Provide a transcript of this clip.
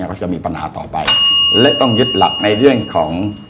ก็จะมีปัญหาต่อไปและต้องยึดหลักในเรื่องของ